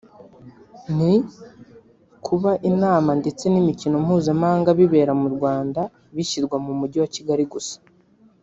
ni kuba inama ndetse n’imikino mpuzamahanga bibera mu Rwanda bishyirwa mu mujyi wa Kigali gusa